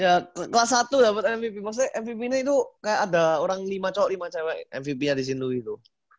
ya kelas satu dapet mvp maksudnya mvp nya itu kayak ada orang lima cowok lima cewek mvp nya di sinlui itu